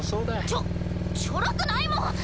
チョチョロくないもん！